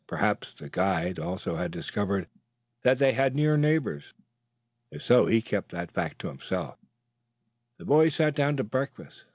Perhaps the guide also had discovered that they had near neighbors. If so he kept that fact to himself. The boys sat down to breakfast.